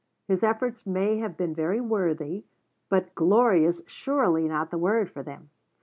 His efforts may have been very worthy but gloria's surely not the word for them.